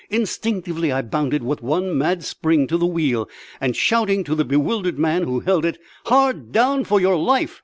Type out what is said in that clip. Instinctively I bounded with one mad spring to the wheel, and, shouting to the bewildered man who held it, "Hard down, for your life!"